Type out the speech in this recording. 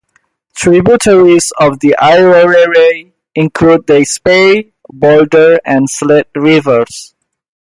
Tributaries of the Aorere include the Spey, Boulder, and Slate Rivers.